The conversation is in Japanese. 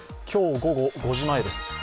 今日午後５時前です。